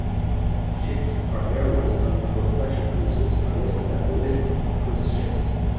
Ships primarily designed for pleasure cruises are listed at List of cruise ships.